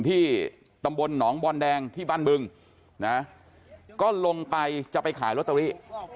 ที่ตำบลหนองบอลแดงที่บ้านบึงนะก็ลงไปจะไปขายลอตเตอรี่